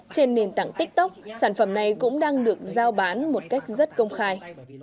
trên nền tảng tiktok sản phẩm này cũng đang được giao bán một cách rất công khai